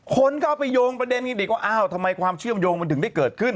คนก็เอาไปโยงประเด็นกันอีกว่าอ้าวทำไมความเชื่อมโยงมันถึงได้เกิดขึ้น